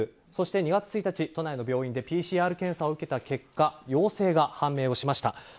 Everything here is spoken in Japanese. そして２月１日、都内の病院でＰＣＲ検査を受けた結果陽性が判明しました。